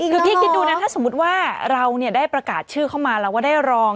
คือพี่คิดดูนะถ้าสมมุติว่าเราได้ประกาศชื่อเข้ามาแล้วว่าได้รอง